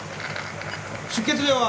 出血量は？